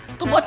itu bocah tuh